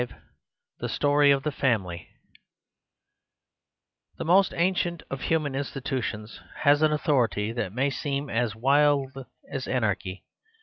— The Story of the Family THE most ancient of human institu tions has an authority that may seem as wild as anarchy.